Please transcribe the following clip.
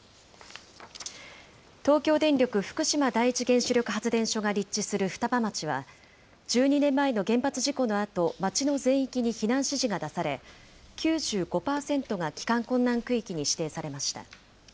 東京電力福島第一原子力発電所が立地する双葉町は、１２年前の原発事故のあと、町の全域に避難指示が出され、９５％が帰還困難区域に指定されました。